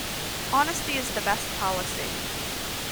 Honesty is the best policy.